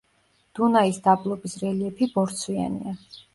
დუნაის დაბლობის რელიეფი ბორცვიანია.